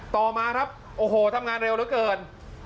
ต่อมาครับโอ้โหทำงานเร็วเหลือเกิน